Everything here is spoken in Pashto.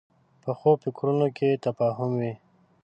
پخو فکرونو کې تفاهم وي